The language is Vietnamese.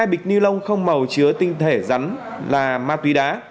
hai bịch ni lông không màu chứa tinh thể rắn là ma túy đá